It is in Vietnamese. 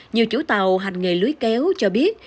nhiều chủ tàu hành nghề lưới kéo cho biết